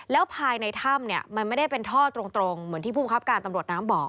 แล้วภายในถ้ำเนี่ยมันไม่ได้เป็นท่อตรงเหมือนที่ภูมิครับการตำรวจน้ำบอก